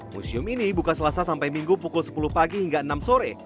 museum ini buka selasa sampai minggu pukul sepuluh pagi hingga enam sore